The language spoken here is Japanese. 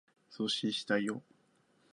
送信したよ